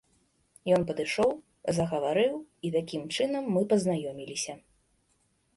Ён падышоў, загаварыў і такім чынам мы пазнаёміліся.